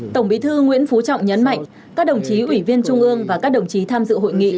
tổng bí thư nguyễn phú trọng nhấn mạnh các đồng chí ủy viên trung ương và các đồng chí tham dự hội nghị